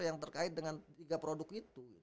yang terkait dengan tiga produk itu